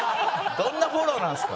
どんなフォローなんすか！